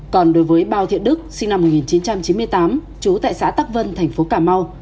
còn đối với bao thiện đức sinh năm một nghìn chín trăm chín mươi tám trú tại xã tắc vân thành phố cà mau